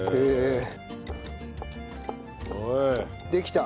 できた。